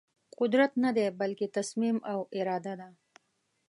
قدرت ندی بلکې تصمیم او اراده ده.